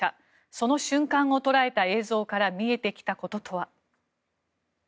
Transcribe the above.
その瞬間を捉えた映像から見えてきたこととは。